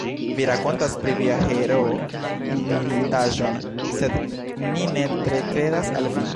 Vi rakontas pri via heroo mirindaĵon, sed ni ne tre kredas al vi.